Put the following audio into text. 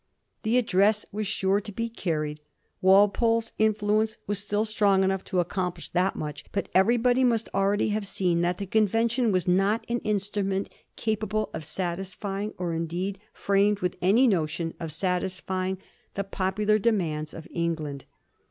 The address was sure to be carried; Walpole's influence was still strong enough to accomplish that much. But ev erybody must already have seen that the convention was not an instrument capable of satisfying, or, indeed, framed with any notion of satisfying, the popular demands of England.